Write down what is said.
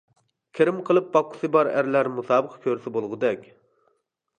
گىرىم قىلىپ باققۇسى بار ئەرلەر مۇسابىقە كۆرسە بولغۇدەك.